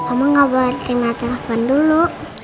omah gak boleh terima telepon dulu